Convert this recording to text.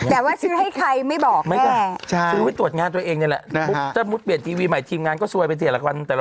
แล้วแบบว่ามันจะเห็นตัวอย่างนี้ไม่เป็นน่ะ